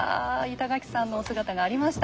板垣さんのお姿がありました。